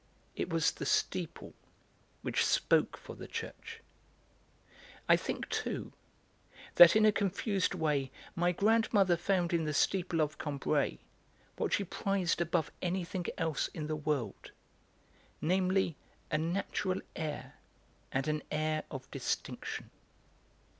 It was the steeple which spoke for the church. I think, too, that in a confused way my grandmother found in the steeple of Combray what she prized above anything else in the world, namely, a natural air and an air of distinction.